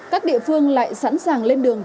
các địa phương lại sẵn sàng lên đường